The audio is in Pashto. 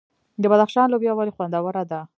د بدخشان لوبیا ولې خوندوره ده؟